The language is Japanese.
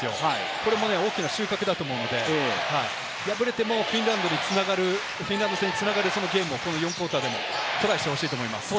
これも大きな収穫だと思うので、敗れても、フィンランド戦につながるゲームを第４クオーターでもトライしてほしいと思います。